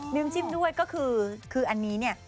น้ำจิ้มด้วยก็คือคืออันนี้เนี่ย